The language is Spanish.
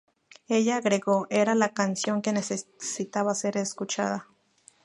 Ella agregó: "Era la canción que necesitaba ser escuchada.